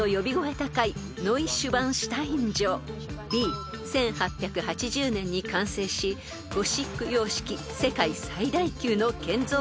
［Ｂ１８８０年に完成しゴシック様式世界最大級の建造物といわれる］